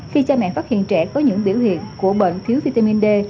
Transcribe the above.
khi cha mẹ phát hiện trẻ có những biểu hiện của bệnh thiếu vitamin d